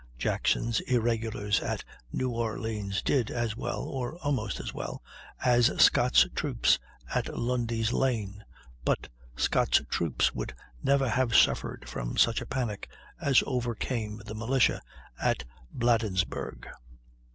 Jackson's irregulars at New Orleans did as well, or almost as well, as Scott's troops at Lundy's Lane; but Scott's troops would never have suffered from such a panic as overcame the militia at Bladensburg.